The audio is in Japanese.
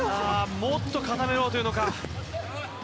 もっと固めようというのか。